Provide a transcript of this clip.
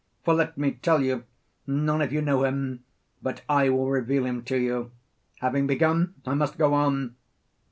For let me tell you; none of you know him; but I will reveal him to you; having begun, I must go on.